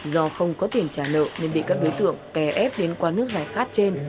do không có tiền trả nợ nên bị các đối tượng kè ép đến qua nước giải khát trên